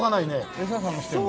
エサ探してるの？